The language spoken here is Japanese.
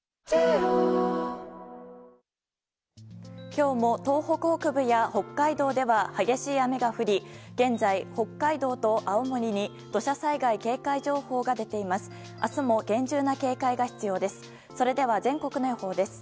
今日も東北北部や北海道では激しい雨が降り現在、北海道と青森に土砂災害警戒情報が出ています。